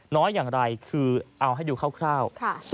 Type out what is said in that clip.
น้อยอย่างไรคือเอาให้ดูคร่าว